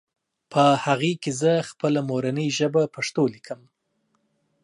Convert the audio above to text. په هغې کې زهٔ خپله مورنۍ ژبه پښتو ليکم